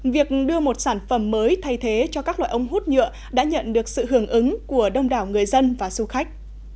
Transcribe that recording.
việc đưa một sản phẩm mới thay thế cho các loại ống hút nhựa đã nhận được sự hưởng ứng của đông đảo người dân và du khách